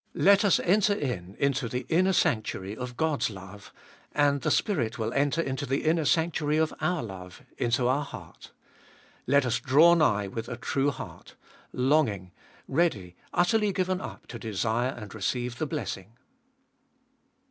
Let us enter in into the inner sanctuary of God's love, and the Spirit will enter into the inner sanctuary of our love, into our heart. Let us draw nigh with a true heart — longing, ready, utterly given up to desire and receive the blessing.